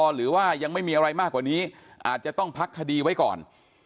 หรือว่ายังไม่มีอะไรมากกว่านี้อาจจะต้องพักคดีไว้ก่อน